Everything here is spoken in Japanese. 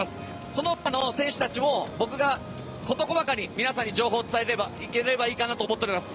そのほかの選手たちも僕が事細かに皆さんに情報を伝えていければいいなと思います。